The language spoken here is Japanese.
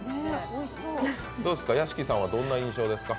屋敷さんは、どんな印象ですか？